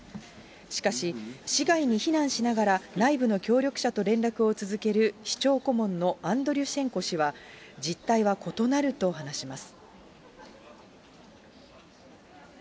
しかし、市外に避難しながら、内部の協力者と連絡を続ける市長顧問のアンドリュシェンコ氏は、実態は異なると話します。